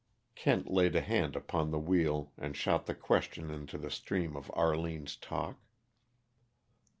Kent laid a hand upon the wheel and shot the question into the stream of Arline's talk.